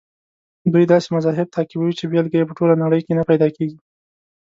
دوی داسې مذهب تعقیبوي چې بېلګه یې په ټوله نړۍ کې نه پیدا کېږي.